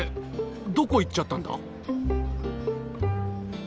どこ行っちゃったんだ？